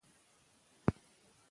هغه د کلي له خلکو مننه کوي.